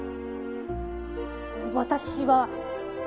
私は。